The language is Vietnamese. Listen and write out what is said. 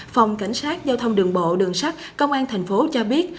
phòng cảnh sát giao thông đường bộ đường sắt công an thành phố cho biết